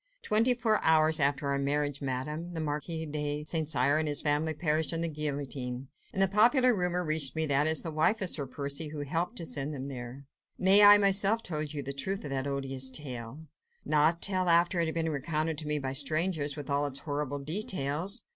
"Twenty four hours after our marriage, Madame, the Marquis de St. Cyr and all his family perished on the guillotine, and the popular rumour reached me that it was the wife of Sir Percy Blakeney who helped to send them there." "Nay! I myself told you the truth of that odious tale." "Not till after it had been recounted to me by strangers, with all its horrible details."